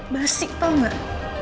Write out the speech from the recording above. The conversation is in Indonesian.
basik tau gak